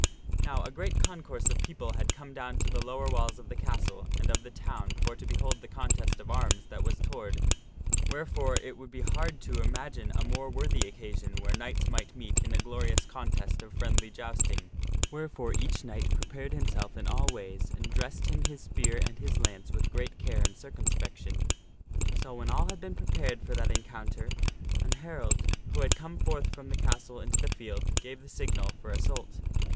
Now a great concourse of people had come down to the lower walls of the castle and of the town for to behold the contest of arms that was toward, wherefore it would be hard to imagine a more worthy occasion where knights might meet in a glorious contest of friendly jousting, wherefore each knight prepared himself in all ways, and dressed him his spear and his lance with great care and circumspection. So when all had been prepared for that encounter, an herald, who had come forth from the castle into the field, give the signal for assault.